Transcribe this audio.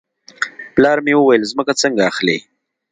پلار مې وویل ځمکه څنګه اخلې.